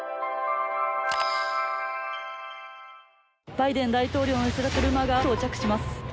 バイデン大統領を乗せた車が到着します。